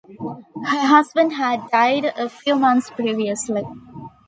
Her husband had died a few months previously.